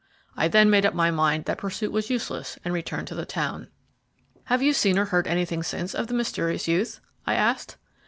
I then made up my mind that pursuit was useless, and returned to the town." "Have you seen or heard anything since of the mysterious youth?" I asked.